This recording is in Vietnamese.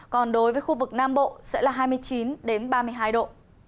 còn đối với khu vực nam bộ sẽ là hai mươi chín ba mươi hai độ